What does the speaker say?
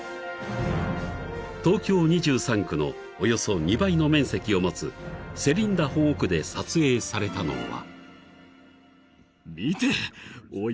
［東京２３区のおよそ２倍の面積を持つセリンダ保護区で撮影されたのは］